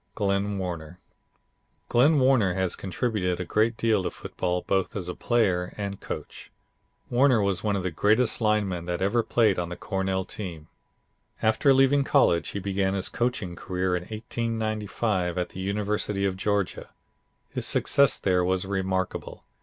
Glenn Warner Glenn Warner has contributed a great deal to football, both as a player and coach. Warner was one of the greatest linemen that ever played on the Cornell team. After leaving college he began his coaching career in 1895 at the University of Georgia. His success there was remarkable.